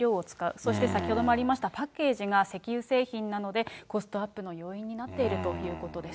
そして先ほどもありました、パッケージが石油製品なので、コストアップの要因になっているということです。